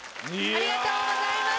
ありがとうございます。